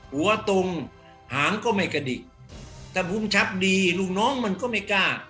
ตรงหางก็ไม่กระดิกแต่ภูมิชับดีลูกน้องมันก็ไม่กล้า